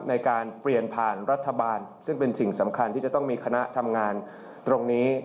ในการเปลี่ยนผ่านรัฐบาลซึ่งเป็นสิ่งสำคัญที่จะต้องมีคณะทำงานตรงนี้